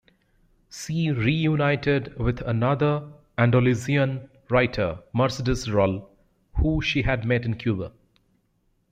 She reunited with another Andalusian writer, Mercedes Rull, who she had met in Cuba.